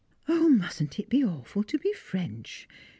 Oh! mustn't it be awful to be French!